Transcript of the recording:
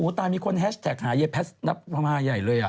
โอ้โหตายมีคนแฮชแท็กหาเย็บแพทซ์นับมาใหญ่เลยอ่ะ